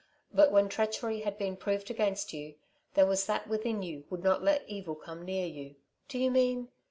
But when treachery had been proved against you, there was that within you would not let evil come near you." "Do you mean